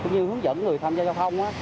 như hướng dẫn người tham gia giao thông